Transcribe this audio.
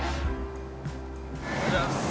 おはようございます。